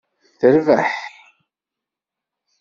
Terbeḥ.